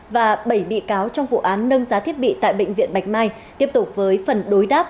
và bảy bị cáo trong vụ án nâng giá thiết bị tại bệnh viện bạch mai tiếp tục với phần đối đáp